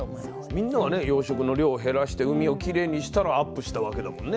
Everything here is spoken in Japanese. みんながね養殖の量を減らして海をきれいにしたらアップしたわけだもんね。